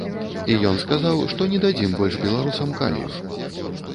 І ён сказаў, што не дадзім больш беларусам калію!